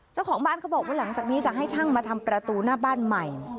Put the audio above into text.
เจ้าของบ้านเขาบอกว่าหลังจากนี้จะให้ช่างมาทำประตูหน้าบ้านใหม่